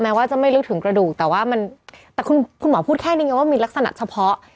แม้ว่าจะไม่รู้ถึงกระดูกแต่คุณหมอพูดแค่นี้ว่ามีลักษณะเฉพาะ